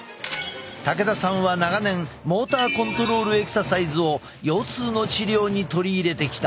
武田さんは長年モーターコントロールエクササイズを腰痛の治療に取り入れてきた。